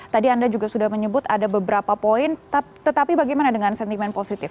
tadi anda juga sudah menyebut ada beberapa poin tetapi bagaimana dengan sentimen positif